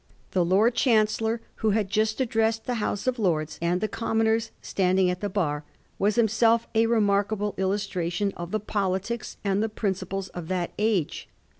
The Lord Chancellor, who had just addressed the House of Lords and the Commoners standing at the Bar, was himself a remarkable illus tration of the politics and the principles of that age.